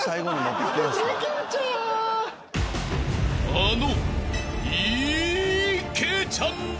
［あの］